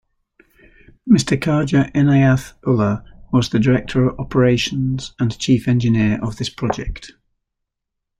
Mr. Khaja Inayath ullah was the Director Operations and Chief engineer of this project.